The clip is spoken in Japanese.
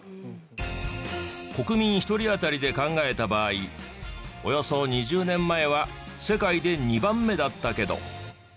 国民１人当たりで考えた場合およそ２０年前は世界で２番目だったけど。